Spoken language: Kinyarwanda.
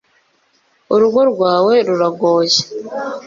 urugo rwawe ruragoye